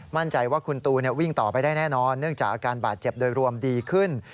มั่นใจว่าคุณตูนวิ่งต่อไปได้แน่นอนเนื่องจากอาการบาดเจ็บโดยรวมดีขึ้น